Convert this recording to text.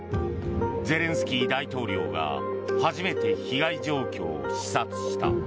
ゼレンスキー大統領が初めて被害状況を視察した。